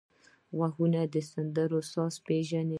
غوږونه د سندرو ساز پېژني